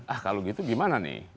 ah kalau gitu gimana nih